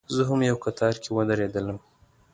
زه هم یو کتار کې ودرېدلم.